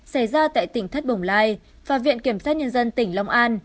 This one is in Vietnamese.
xảy ra tại tỉnh thất bồng lai và viện kiểm sát nhân dân tỉnh long an